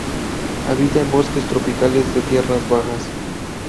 Habita en bosques tropicales de tierras bajas.